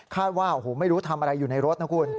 ว่าโอ้โหไม่รู้ทำอะไรอยู่ในรถนะคุณ